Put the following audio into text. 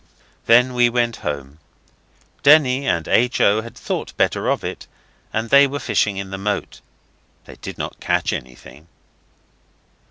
So we went home. Denny and H. O. had thought better of it, and they were fishing in the moat. They did not catch anything.